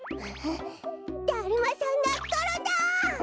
だるまさんがころんだ！